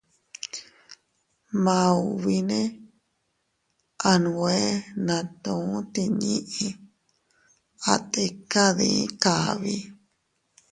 Maubine a nwe natu tinnii, a tika dii kabi.